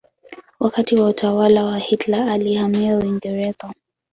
Wakati wa utawala wa Hitler alihamia Uingereza.